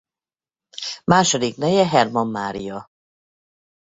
Második neje Hermann Mária.